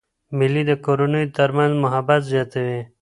مېلې د کورنیو تر منځ محبت زیاتوي.